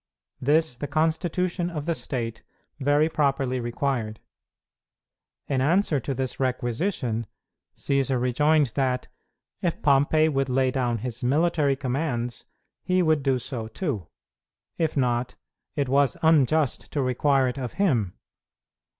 This the constitution of the state very properly required. In answer to this requisition, Cćsar rejoined that, if Pompey would lay down his military commands, he would do so too; if not, it was unjust to require it of him.